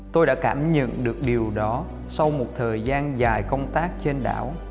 tôi đã cảm nhận được điều đó sau một thời gian dài công tác trên đảo